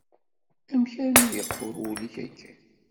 Amek armi yeqqur wul-ik akken?